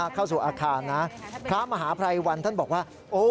เข้าสู่อาคารนะพระมหาภัยวันท่านบอกว่า